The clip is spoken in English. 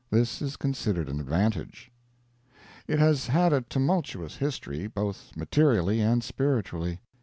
This is considered an advantage. It has had a tumultuous history, both materially and spiritually.